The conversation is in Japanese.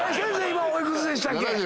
今お幾つでしたっけ？